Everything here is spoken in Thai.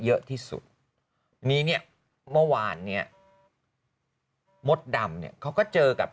เยอะที่สุดมีเนี่ยเมื่อวานเนี้ยมดดำเนี่ยเขาก็เจอกับ